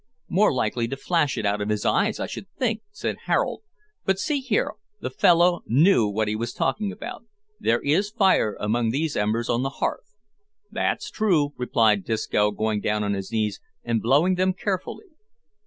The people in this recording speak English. "More likely to flash it out of his eyes, I should think," said Harold; "but, see here, the fellow knew what he was talking about. There is fire among these embers on the hearth." "That's true," replied Disco, going down on his knees, and blowing them carefully.